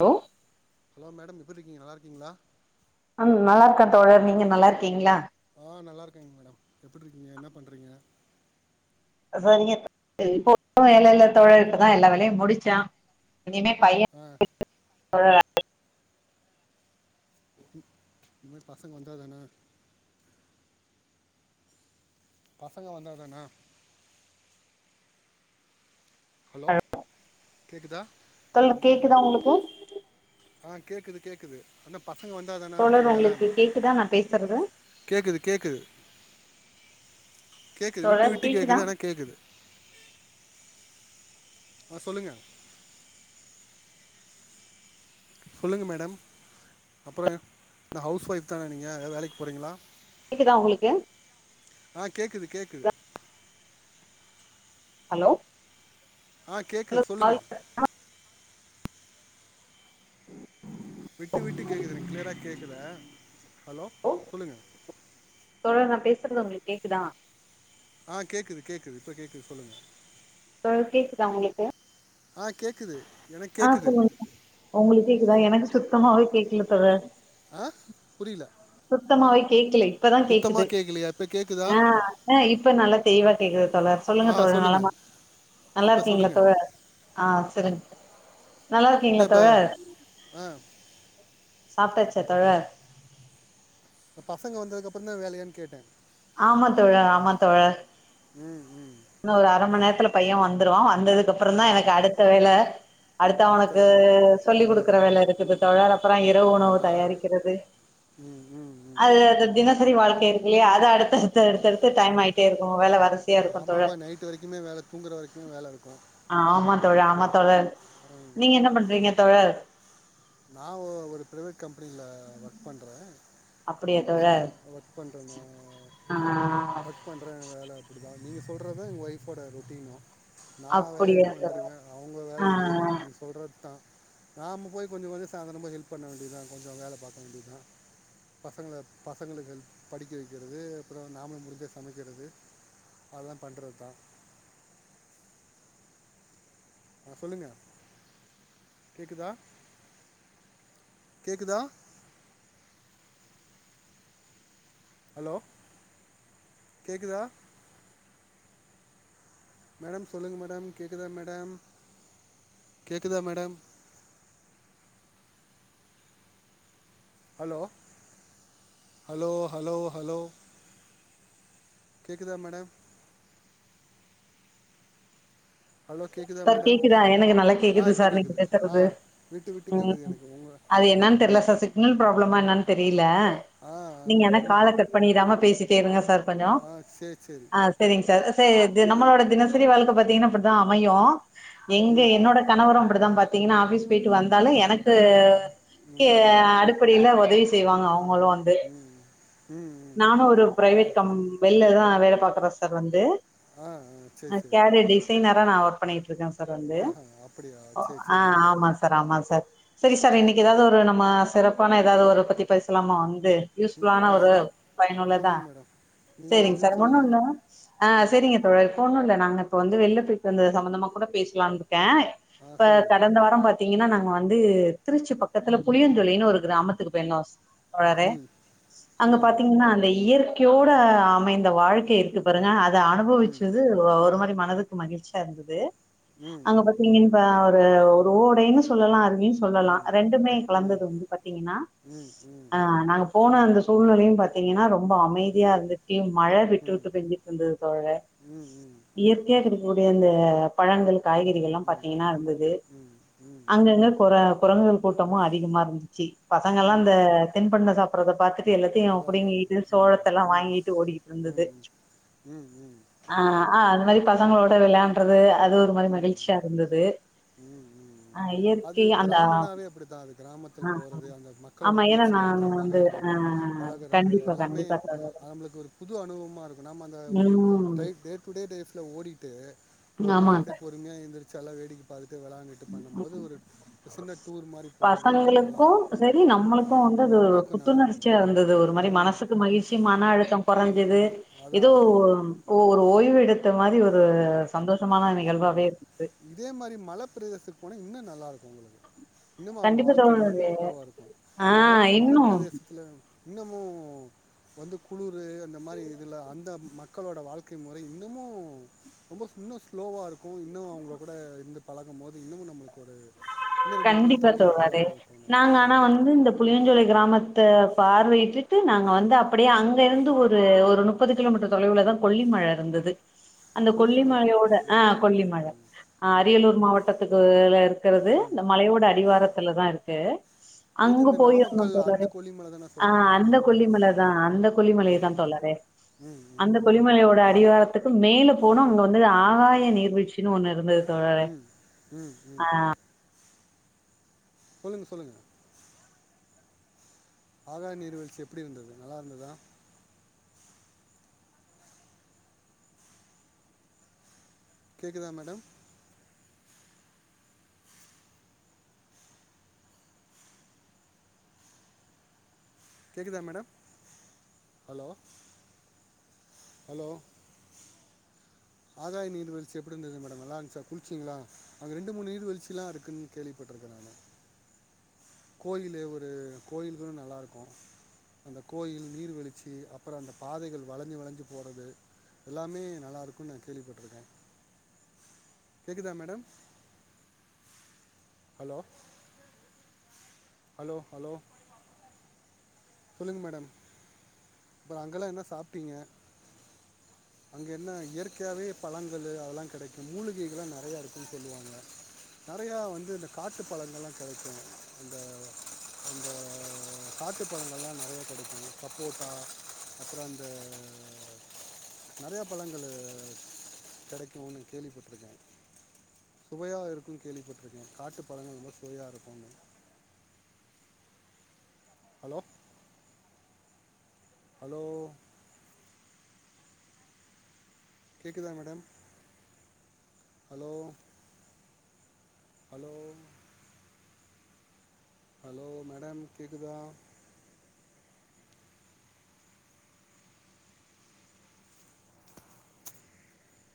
Hello hello madam எப்ப இருக்கீங்க நல்லா இருக்கீங்களா நல்லா இருக்கேன் தோழர் நீங்க நல்லா இருக்கீங்களா ஆஹ் நல்லா இருக்கேங் மேடம் எப்புடி இருக்கீங்க என்ன பண்றீங்க சரிங்க [inaudible] இப்ப வேல இல்ல தோழர் இப்பதான் எல்லா வேலையும் முடிச்சம் இனிமே பைய [inaudible] ஆ [unintelligible] [unintelligible] பசங்க வந்தா தன பசங்க வந்தா தானா ஹலோ கேக்குதா கேக்குதான் உங்களுக்கு ஆஹ் கேக்குது கேக்குது என்ன பசங்க வந்தா தானா தோழர் அடுத்தது வேலை உங்களுக்கு கேக்குதா நா பேசுறது கேக்குது கேக்குது கேக்குது விட்டு தோழர் விட்டு கேக்குதா கேக்குது ஆனா கேக்குது ஆ சொல்லுங்க சொல்லுங்க மேடம் அப்புறம் இந்த ஹவுஸ் ஒய்ஃப் தானே நீங்கள் வேலைக்கு போகறீங்களா கேக்குதா உங்களுக்கு ஆஹ் கேக்குது கேக்குது ஹலோ ஆஹ் கேக்குது ஹலோ சொல்லுங்க [inaudible] விட்டு விட்டு கேக்குதுங்க கிளியரா கேக்கல ஹலோ சொல்லுங்க தோழர் நா உங்களுக்கு கேக்குதான் ஆஹ் கேக்குது கேக்குது இப்ப கேக்குது சொல்லுங்க கேக்குதா உங்களுக்கு ஆஹ் கேக்குது ஆஹ் போ உங்களுக்கு கேக்குதான் எனக்கு சுத்தமாவே கேக்கல தோழர் ஆஹ புரியல சுத்தமாவே கேக்கல இப்பதான் கேக்குது சுத்தமாக கேட்கலையா இப்போ கேட்குதா ஆஹஹ இப்ப நல்லா தெளிவா கேக்குது தோழர் ஆ சொல்லுங்க தோழர் சொல்லுங்கள் நலமா நல்லா இப்போ இருக்கீங்களா சொல்லுங்கள் தோழர் ஆஹ் சரிங்க நல்லா இருக்கீங்களா என்ன இப்போ தோழர் ஆ சாப்பிட்டாச்ச தோழர் இந்த பசங்க வந்ததுக்க அப்புறம் தான் வேலையானு கேட்டேன் ஆமா தோழர் ஆமா தோழர் ம் உம் இன்ன ஒரு அரை மணி நேரத்துல பையன் வந்துருவான் வந்தது அதுக்கப்புறம் ஆ தான் எனக்கு அடுத்த வேலை அடுத்த அவனுக்கு சொல்லி் ம் கொடுக்கற வேலை இருக்குது தோழர் அப்புறம் இரவு உணவு ஆ தயாரிக்கிறது ம் ம் ம் அது தின சரி வாழ்க்கை இருக்கு இல்லையா அத அடுத்தடுத்த அடுத்தடுத்த டைம் ஆகிட்டே இருக்கும் வேல பிசியா இருக்கும் ஆமா நைட்டு வரைக்குமே வேல தூங்குற வரைக்குமே வேல இருக்கும் காமத்தோட [unintelligible] நீங்க என்ன பண்றீங்க தோழர் நான் ஒரு பிரைவேட் கம்பெனியில ஒர்க் பண்ணறேன் அப்படியா தோழர் ஒர்க் பண்றே நான் ஆ ஒர்க் பண்றேன் வேலை அப்படி [inaudible] நீங்கள் சொல்கறதான் எங்கள் ஒயஃபோட ொட்டீனும் [unintelligible] நான் வேல அப்படியா இன்னும் தோழர் வந்துிருவேன் அவங்க வேலை ஆ இதேதான் நீங்க சொல்றது தான் [unintelligible] நாம போய் கொஞ்சம் வந்து சாயந்தரமாக ஹெல்ப் பண்ண வேண்டியதான் கொஞ்சம் வேல பார்க வேண்டியதான் பசங்களை பசங்களுக்கு ஹெல்ப் படிக்க வைக்கிறது அப்புறம் நாமல் முடி்சே சமக்கிறது அதெல்லாம் பண்ணுறது தான் [unintelligible] ஆஹ் சொல்லுங்க கேக்குதா கேக்குதா ஹலோ கேக்குதா மேடம் சொல்லுங்க மேடம் கேக்குதா மேடம் கேக்குதா madam hello hello hello hello கேக்குதா மேடம் ஹலோ கேட்குதா சார் மேடம் கேக்குதா எனக்கு நல்லா ஆ கேக்குது இப்போ சார் நீங்க கேட்குது ஆ பேசுறது விட்டு விட்டு உம் கேட்குது எனக்கு உங்கள் அது என்னன்னு தெரியல சார் என்ன ப்ராளமா என்னு தெரியும் [unintelligible] இ ஆ நீங்கனா கால ஆமாம் கட் பண்ணிராம பேசிட்டேங்க சார் கொஞ்சம் ஆ சரி சரி சரிங்க சார் து நம்மளோட தினசரி வாழ்க்க பாத்தீங்கனா அப்டி. தா அமையு. எங்க ம் என்னோட கணவரும் அப்படிதான் பாத். பாத்தீங்கன்னா ஆபிஸ் போயிட்டு வந்தாலும் எனக்கு. க்கு ம் ம் அடிப்படில உதவி செய். செய்வாங்க அவங். அல்லு வந்து ம் ம் ம் நானும் ஒரு பிரைவெட் கம்ப் வெளிலதா. வேல பாக்குற சார் வந்து. ஆஹ ஆஹ சேரி சேரி. அதுல நான் ஒர்க் பண்ணிட்டு இருக்கேன் சார். சார் வந்து அப்படியா சரி சரிங்க ஆஹ மேடம் ஆமா சார் ஆமா சார். சரி சார் இன்னக்கு ஏதாவது ஒரு நம்ம சிறப்பான ஏதாவது ஒரு பத்தி பேசலாம வாங். க யூஸ் ம், ஃபுல்லான ஆ ஒரு சொல்லு பயனுள்ளதா. சொல்லுங்கள் மேடம் நீங்கள் சேரிங்க எதுவும் சார் சொல்லுங்கள் ஒண்ணொன்னு அஹ ஆ சேரிங்க தோழர் ஒண்ணும் இல்ல நா. ப்ப வந்து வெள்ல. இப்ப இந்த சம்பந்தமா கூட பேசலாம். இருக்கே ஆ இப்ப சொல்லுங்கள் கடந்த வாரம் பாத்தீங். ங்கன்னா நாங்க வந்து திருச்சி பக்கத்துல புளியன்துளின்னு ஒரு கிராமத்துக்கு போயிருந்தோ. வர ம் அங்க சொல்லுங்கள் மேடம் பாத்தீங்கன்னா அந்த இயற். இயற்கையோட அமைந்து. இந்த வாழ்க்கை இருக்கு பாருங்க அத ம் அனுபவிச்சது ஒரு மாரி. மனதுக். கு மகிழ்ச்சியா இருந்தது. ம் அங்க ம் பாத்தீங்கன்னுப்ப. இப்ப ஒரு ஓடைன்னு சொல்லலாம் அந். இப்டியும் சொல்லலாம் ம் ரெண்டுமே ம் கலந்தது வந்து பாத்தீங்கன்னா ம் ம் நாங்க. போன அந்த சூழ்நெலையும் பாத்தீங்கன்னா ரொம். ரொம்ப ம் ம் அமைதியா இருந்துச்சு மழ விட்டு ம் விட்டு பெஞ்சுட்டு இருந்தது தோழரே ம் ம் இயற். இருக்கக்கூடிய அந்த பழங்களுக். காய்கறிகள்ல்லாம் பாத்தீங்கன்னா இருந்தது ம் ம் ம் அங்கங்க குர குரங்குகள். கூட்டமும் அதிகமா இருந்துச்சு. பசங்க எல்லாம் ம் இந்த திண்பண்டம் சாப். அத பாத்துட்டு. எல்லாத்தையும் அதான் அதான் புடுங்கிட்டு ம் சோளத்த எல்லாம் ம் வாங்கிட்டு ஓடிக்கட்டு இருந்தது ம் ம் ம் ம் ஆ ஆ அது மாரி. பசங்களோட வெளையான்றது. ம் ம் ம் ஆ அது இயற்கை அந்த கிராமனாவே அப்டித்தான் அது ஆ கிராமத்தில் போறது அந்த மக்களோட ஆமா ஏன்னா நானு பேச்சுவார்த்த வந்து ஆ பகழ்றது பழகுறது கண்டிப்பா எல்லாமே கண்டிப்பா தோழர் நம்மளுக்கு ஒரு புது அனுபவமா இருக்கும் நம் அந்த டே டு டே லைஃப்ல ஓடி. ட்டு. ம் ஆமாங் சார். அமைதியா எந்திரிச்சு எல்லா வேடிக்க பாத்துட்டு வெளயான்டுட்டு பண்ணும் போது ஒரு சின்ன டூர் மாரி போறது இன்னும் நல்லா பசங்களுக்கு உ சரி நம்மளுக்கு வந்து உ அது ஒரு நம்மளுக்கும் நல்லா இருக்கும் புத்துணர்ச்சியா இருந்தது ஒரு உம். ஞ்சுது ஏதோ ஒரு ஓய்வு எடுத்து. மாரி ஒரு. ஆமா ஆமா இருந்தது இதே மாரி மல பிரதேசத்துக்கு போனா இன்னும் நல்லா இருக்கும். உங்களுக்கு. இன்னமும் அவுங்க கண்டிப்பா வாழ்க்க தோழரே இன்னமும் ஸ்லோவா இருக்கும் ஆ மல மல இன்னு பிரதேசத்துல. இன்னமும் வந்து குளுர். வந்து அந்த மாரி இதுல அந்த மக். மக்களோட வாழ்க்கை முறை இன்னமு. ரொம்ப இன்னும் ஸ்லோவா இருக்கும் இன்னும் அவுங்க கூட இருந்து பழகும் போது இன்னமும் நம்மளுக்கு ஒரு. இன்னும் ரெண்டு மூணு நாள் கண்டிப்பா தங்கிட்டு தோழரே போகலான்னு தோணும் நாங்க ஆனா வந்து இந்த புளியஞ்சோலை கிராமத். து பார்வையிட்டுட்டு நாங்க வந்து அப்டியே அங்க இருந்து ஒரு ஒரு முப்பது கிலோமீட்டர் தொலைவுலதான் கொல்லி மழ இருந்தது. அந்த கொல்லிமலை கொல்லிமலையோட ஆ ம் கொல்லிமல ம் அ ம் அரியலூர் மாவட்டத்துக்குல்ல இருக்குறது. ம் இந்த மலையோட ம் அடிவாரத்துல தான் இருக்கு. எது அங்க இந்த போய் இருந்தோம் நாமக்கல் அந்த தோழரே கொல்லிமலை தானே ஆஹ சொல்கிறீங்க அந்த நாமக்கல் ஆ கொல்லிமலதா அந்த கொல்லிமலை ஆ தான் தோழரே ம் ம் அந்த ம் கொல்லிமலையோட அடிவாரத்துக்கு மேலும். போனோ அங்க வந்து ஆகாய நீர்வீழ்ச்சின்னு ஒண்ணு இருந்தது. தோழரே உம் உம் உம். சொல்லுங்க சொல்லுங்க. ஆகாய நீர்வீழ்ச்சி எப்படி இருந்தது நல்லா இருந்ததா. கேக்குதா மேடம். கேக்குதா மேடம் ஹலோ ஹலோ. ஆகாய நீர்வீ்ழ்ச்சி எப்படி இருந்தது மேடம் நல்லா இருந்துச்சா குளிச்சீங்களா அங்க ரெண்டு மூணு நீர்வீழ்சி எல்லாம் இருக்குன்னு கேள்விப்பட்டிருக்கேன் நானு. கோயில் ஒரு கோயில்களு நல்லா இருக்கும். அந்த கோயில் நீர்வீழ்ச்சி அப்புறம் அந்த பாதைகள் வளைஞ்சி வளைஞ்சு போறது எல்லாமே நல்லா இருக்கும்னு நான் கேள்விப்பட்டிருக்கேன். கேக்குதா மேடம். ஹலோ. Hello hello. சொல்லுங்க மேடம். அப்புறோ அங்கல்லாம் என்ன சாப்பிட்டீங்க. அங்க என்ன இயற்கையாவே பழங்களு அதெல்லாம் கிடைக்கும் மூலிகைகள்ல்லாம் நறைய இருக்கும்ன்னு சொல்லுவாங்க. நறைய வந்து இந்த காட்டு பழங்கள் எலாம் கெடைக்கும் அந்த காட்டு பழங்கள் எலாம் நறைய கெடைக்கும் சப்போட்டா அப்புறோ அந்த. நறையா பழங்கள் கிடைக்கும்னு கேள்விப்பட்டிருக்கேன். சுவையா இருக்கும் கேள்விப்பட்டிருக்கேன் காட்டு பழங்கள் ரொம்ப சுவையாக இருக்கும்னு. ஹலோ. ஹலோ. கேக்குதா madam hello. Hello. Hello madam கேக்குதா.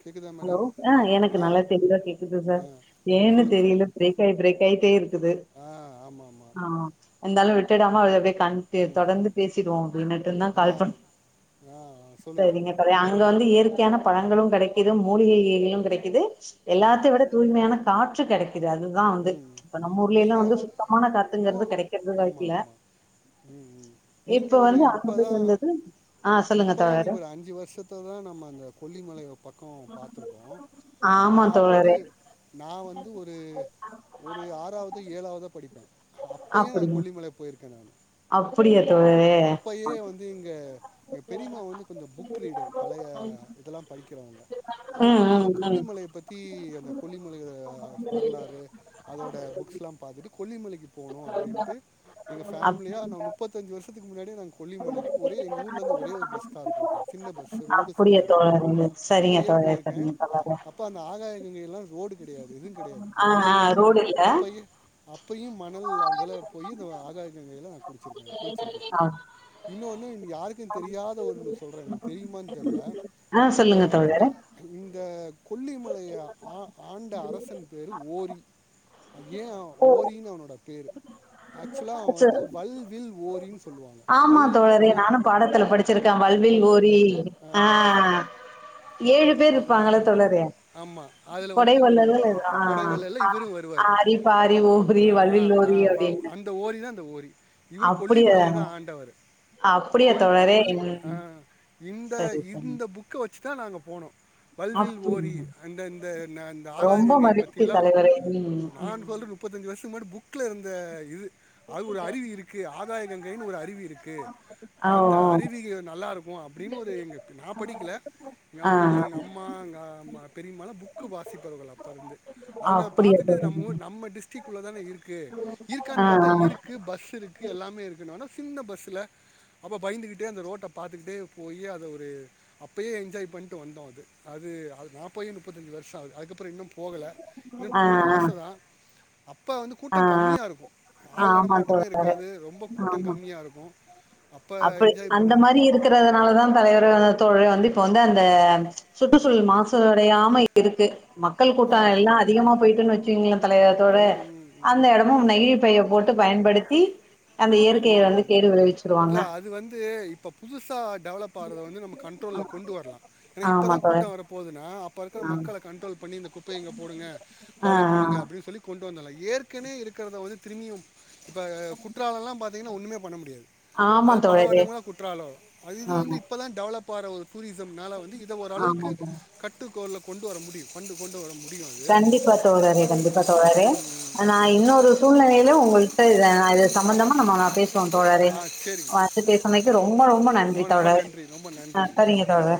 கேட்குதா ஹலோ மேடம் ஆ எனக்கு ஆ நல்லா தெளிவா கேக்குது ஆ சார் ஏன்னு சொல்லுங்கள் தெரியல சொல்லுங்கள் பிரேக்காய் பிரேக்காய். போயிட்டேருக்கு க்து ஆ ஆமாம் ஆமாம் ஆஹ் இந்தாலும் விட்டுடாம அப்டி கன்ட் ம் தொடர்ந்து பேசிடுவோம் அப்படின்னுட்டு தான் ஆ கால் பண்ண ஆ சொல்லுங்கள் சேரிங்க தோழி அங்க வந்து இயற்கை இயற்கையான பழங்களும் கெடைக் எதுவும் மூலிகைகிலும் கிடைக்கிது எல்லாத்தையும் விட தூய்மையான காற்று கெடைக்கும் உம் நீங்க சுத்தமான காத்துங்கிறது இன்னும் கெடைக்கிறது ஆமா வாய்ப்பில்ல ஆமா உம் உம் நீங்க இப்ப ஒரு வந்து அங்க போயிட்டு இப்பதான் வந்தது ஆ சொல்லுங்க இப்பதான் தோழரே நீங்க ஒரு அஞ்சு வருஷத்த தான் நம்ம அந்த கொல்லிமலைய பக்கம் பாத்துருக்கோம் ஆமா நான் வந்து தோழரே நான் வந்து ஒரு ஒரு ஆறாவது ஏழாவதா படிப்பேன் அப்பயன் நான் கொல்லிமலை போயிருக்கேன் நான் அப்புடியா தோழறே அப்பயே வந்து இங்கே எங்கள் பெரியமா வந்து கொஞ்சம் புக் ரீடர் பழைய இதெல்லாம் படிக்கிறவங்க அவங்க ம் வந்து ம் ம் கொல்லிமலையை பத்திஅந்த கொல்லிமல வரலாறு அதோட புக்ஸ்லாம் பாத்துட்டு கொல்லிமலைக்கு போனோம் அப்படின்ட்டு எங்க ஃ அப் பேமிலியா ந முப்பத்தஞ்சு வருஷத்துக்கு முன்னாடி நாங் கொல்லிமலைக்கு ஒரே எங்கள் ஊர்ல இருந்து ஒரே ஒரு பஸ் தான் இருக்கும் சின்ன பஸ் ரோடு அப்படியா சரியாக இருக்காது தோழரே சரிங்க அப்பயே தோழரே போயிருக்கேன் சரிங்க தோழரே அப்போ அந்த ஆகாய கங்கையல்லாம் ரோடு கெடையாது எதுவும் கிடையாது ஆ மணல் ஆ தான் ரோடு இல்ல அப்ப அப்பயையும் மணல் அதுல போய் இந்த ஆகாய கங்கையில நான் குடிச்சிருக்கேன் குளிச்சிருக்கேன் ஆ இன்னொன்னு யாருக்கும் தெரியாத ஒன்னு சொல்றேன் உங்களுக்கு தெரியுமான்னு தெரில ஆ, இந்த சொல்லுங்க இந்த தோழரே இந்த கொல்லிமல ஆ ஆண்ட அரசன் பேரு ஓரி ஏன் ஓரின்னு அவனோட பேரு ஆக்சுவலா அவன் ச- வந்து வல் வில் ஓரின்னு சொல்லுவாங்க ஆமா வல்னா தோழரே வல்ல நானும் பாடத்துல படிச்சிருக்கேன் ஆ, வல்வில் ஓரி படிச்சிருக்கேன் ஆஹ ஏழு பேரு இருப்பாங்கள தோழரே ஆமா அதுல கொடை வந்து இவரு வள்ளல்கள் ஒருத்தர் ஆ கொடைவல்லல்ல இவரு வருவாரு ஆரி பாரி ஓரி வல்வில் அ ஓரி அப்டின்னு அந்த ஓரி தான் அந்த ஓரி இவர் அப்டியா கொல்லிமலைய தான் ஆண்டவர் அப்டியா கொல்லி தோழரே கொல்லி ம் இந்த சரி சரி இந்த புக்க வச்சுதான் நாங்க போனோம் வல்வில் அப்டியா ஓரி அந்த அந்த ஆகாய ரொம்ப கங்கைய மகிழ்ச்சி பத்திலாம் தலைவரே ம் நான் ம் சொல்ற முப்பத்தஞ்சு வருஷத்துக்கு முன்னாடி புக்ல இருந்த இது அது ஒரு அறிவு இருக்கு ஆறு ஆகாய கங்கையினு ஒரு அருவி இருக்கு ஓ அந்த ஓ அருவி நல்லா இருக்கும் அப்படின்னு நான் படிக்கல ஆ நான் கொஞ்சம் எங்க அம்மா எங்க மல புக்கு வாசிப்பவர்கள் அப்பயிருந்து அவுங்க அப்டியா பார்த்துட்டு தோழரே நம்ம டிஸ்டிக் உள்ள தான இருக்கு ஆ இருக்கானு பாத்தா இருக்கு பஸ் இருக்கு எல்லாமே இருக்கு. நானு சின்ன பஸ்ல அப்போ பயந்து கிட்டே அந்த ரோட்ட பார்த்துக்கிட்டே போயி அப்பயே என்ஜாய் பண்ணிட்டு வந்தோம் அது அது நாப். போயே முப்பதஞ்சு வருஷம் அகுது அதுகப்பு. புறோ இன்னும் போகல இன்னும் போணும்னு ஆச தான் அப்ப. ஆஹ ஆஹ ஆமா நடமாட்டமே தோழரே இருக்காது ரொம்ப கூட்டம் ஆமா கம்மியாக இருக்கும் அப்போ அப்படி என்ஜாய் அந்த பண்ணது மாதிரி இருக்கறதுனாலதான் தலைவரே தோழரே வந்து. இப்ப வந்து அந்த ம்ச். சுற்றுசூழல் மாசு. அழியாம இருக்கு. மக்கள் ஆ கூட்டம் எல்லாம் ஆமாம் ஆமாம் அதிகமா போயிட்டுன்னு வச்சீங்களேன் தலைவரே தோழரே. ம் ம் ம் இடமும் நயின் பைய போட்டு பயன்படுத்தி. அந்த இயற்கைய உஹம் வந்து கேடு விளைவிச்சிருவாங்க. இல்ல அது வந்து இப்ப புதுசா டெவலப் ஆறத வந்து நம்ம கன்ட்ரோல்ல கொண்டு வரலாம். ஏனா ஆமா இப்பதான் தோழர். கூட்டம் வர போகுதுனா அப். ப்ப இருக்கிற ஆமா. மக்கள கன்ட்ரோல் பண்ணி இந்த குப்பைய இங்க போடுங்க ஆ, பாலோ ஆ. பண்ணுங்க அப்படின்னு சொல்லி கொ. கொண்டு வந்துறலாம் ஏற்கனவே இருக்கிறத வந்து திரும்பியும். இப்ப குற்றாலம் எல்லாம் பார்த். திங்கனா ஒன்னுமே பண்ண முடியாது. ஆமா அது பல தோழரே. வருடங்களா குற்றாலோ அது இது வந்து ஆமா, இப்பதான் டெவலப். போர ஊர். டூரிசம்னால வந்து இத ஆமா ஓரளவுக்கு தோழர். கட்டுக்கோல. கொண்டு வர முடியும் கொண்டு கொண்டு வர. முடியும் அது கண்டிப்பா தோழரே கண்டிப்பா ம், தோழரே ம், ம். நான் இன்னொரு சூழ்நிலையிலு உங்ககிட்ட. இது சம்பந்தமா நம்ம பேசு. வோம் தோழரே. ஆ சரிங்க வந்து பேசன்னைக்கு ரொம்ப ரொம்ப நன்றி ஆ ரொம்ப தோழரே. நன்றி ரொம்ப ஆஹ நன்றிங்க சேரிங்க தோழரே.